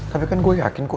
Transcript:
tapi kan gue yakin kok